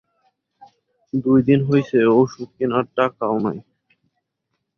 দুইদিন হইসে, ঔষধ কিনার টাকাও নাই।